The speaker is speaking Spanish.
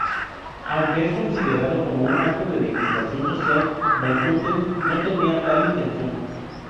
Aunque es considerado como acto de legislación social, Van Houten no tenía tal intención.